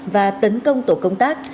và tấn công tổ công tác